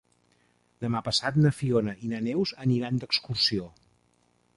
Demà passat na Fiona i na Neus aniran d'excursió.